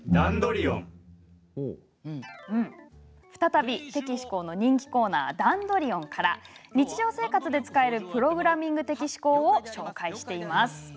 再び「テキシコー」の人気コーナー「ダンドリオン」から日常生活で使えるプログラミング的思考を紹介しています。